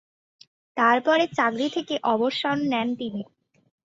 তার পরে চাকরি থেকে অবসর নেন তিনি।